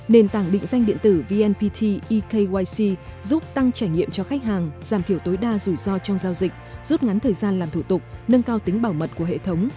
nền tảng định danh điện tử vnpt ekyc giúp tăng trải nghiệm cho khách hàng giảm thiểu tối đa rủi ro trong giao dịch rút ngắn thời gian làm thủ tục nâng cao tính bảo mật của hệ thống